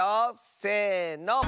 せの！